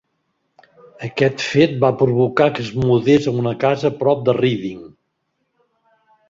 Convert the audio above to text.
Aquest fet va provocar que es mudés a una casa a prop de Reading.